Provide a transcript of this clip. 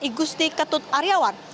igusti ketut aryawan